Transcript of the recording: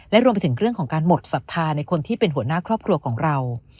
และรวมไปถึงเรื่องของการหมดศรัทธาในคนที่เป็นหัวหน้าครอบครัวของเรา